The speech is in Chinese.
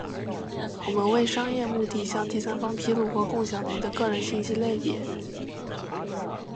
我们为商业目的向第三方披露或共享的您的个人信息类别；